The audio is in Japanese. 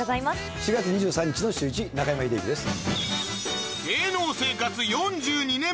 ４月２３日の『シューイチ』中山秀征です。